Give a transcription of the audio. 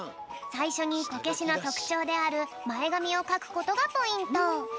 さいしょにこけしのとくちょうであるまえがみをかくことがポイント。